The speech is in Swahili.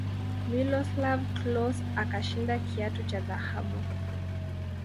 miloslav klose akashinda kiatu cha dhahabu